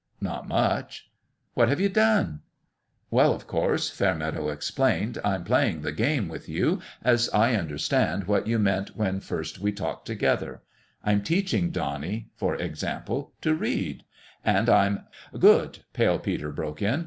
" Not much." " What have you done ?"" Well, of course," Fairmeadow explained, PALE PETER'S DONALD 133 " Fm playing the game with you, as I under stand what you meant when first we talked to gether. I'm teaching Donnie, for example, to read ; and I'm "" Good !" Pale Peter broke in.